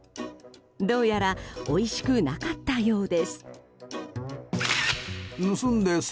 どうやらおいしくなかったようです。